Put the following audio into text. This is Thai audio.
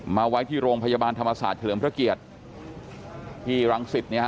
มาไว้ที่โรงพยาบาลธรรมศาสตร์เฉลิมพระเกียรติที่รังสิตเนี่ยฮ